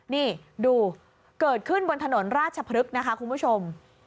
นี่ดูเกิดขึ้นบนถนนราชพฤกษ์นะคะคุณผู้ชม